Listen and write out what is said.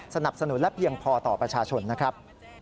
สนับสนุนและเพียงพอต่อประชาชนนะครับ